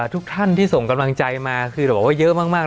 ทุกท่านที่ส่งกำลังใจมาคือเราบอกว่าเยอะมาก